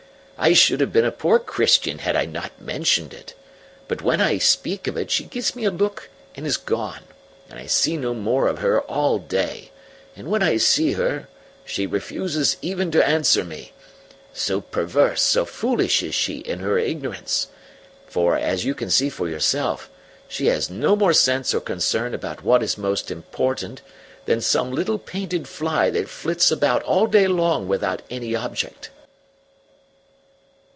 "I should have been a poor Christian had I not mentioned it. But when I speak of it she gives me a look and is gone, and I see no more of her all day, and when I see her she refuses even to answer me so perverse, so foolish is she in her ignorance; for, as you can see for yourself, she has no more sense or concern about what is most important than some little painted fly that flits about all day long without any object."